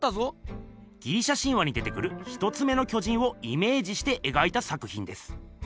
ギリシャ神話に出てくる一つ目の巨人をイメージして描いた作ひんです。